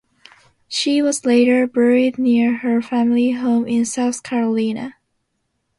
She was later buried near her family home in South Carolina.